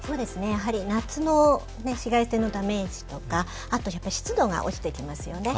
やはり夏の紫外線のダメージとかあと湿度が落ちてきますよね。